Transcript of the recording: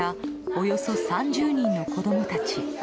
およそ３０人の子供たち。